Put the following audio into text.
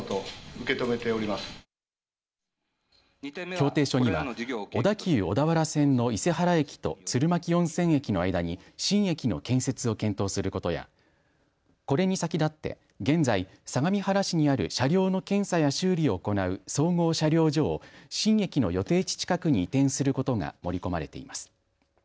協定書には小田急小田原線の伊勢原駅と鶴巻温泉駅の間に新駅の建設を検討することやこれに先立って現在、相模原市にある車両の検査や修理を行う総合車両所を新駅の予定地近くに移転することが盛り込まれています。